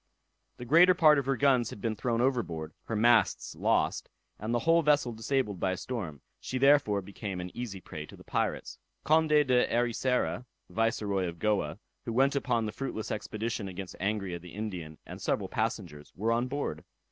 The greater part of her guns had been thrown overboard, her masts lost, and the whole vessel disabled by a storm; she therefore, became an easy prey to the pirates. Conde de Ericeira, Viceroy of Goa, who went upon the fruitless expedition against Angria the Indian, and several passengers, were on board.